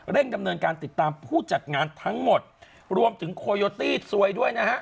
ดำเนินการติดตามผู้จัดงานทั้งหมดรวมถึงโคโยตี้ซวยด้วยนะฮะ